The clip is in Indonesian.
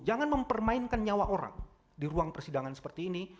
jangan mempermainkan nyawa orang di ruang persidangan seperti ini